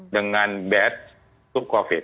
dengan bad covid